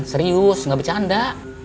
serius ga bercanda